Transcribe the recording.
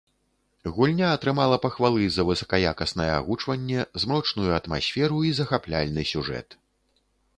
Гульня атрымала пахвалы за высакаякаснае агучванне, змрочную атмасферу і захапляльны сюжэт.